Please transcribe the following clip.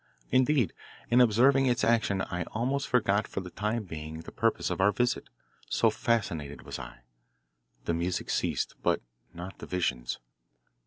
Indeed, in observing its action I almost forgot for the time being the purpose of our visit, so fascinated was I. The music ceased, but not the visions.